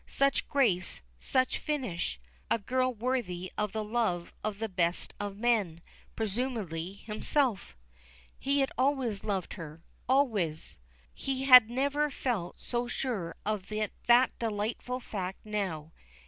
Such grace such finish! A girl worthy of the love of the best of men presumably himself! He had always loved her always! He had never felt so sure of that delightful fact as now.